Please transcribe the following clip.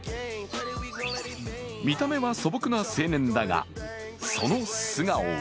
見た目は素朴な青年だが、その素顔は